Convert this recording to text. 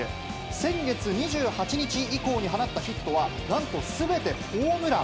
先月２８日以降に放ったヒットはなんとすべてホームラン。